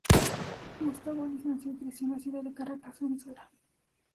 Gustavo Elis nació y creció en la ciudad de Caracas, Venezuela.